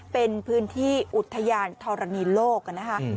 เป็นพื้นที่อุทยานธรณีโลกนะคะ